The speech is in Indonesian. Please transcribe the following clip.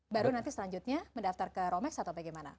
baru nanti selanjutnya mendaftar ke romex atau bagaimana